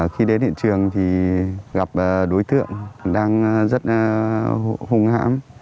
khi đến hiện trường thì gặp đối tượng đang rất hung hãm